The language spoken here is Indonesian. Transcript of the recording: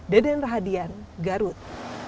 deden rahadian garut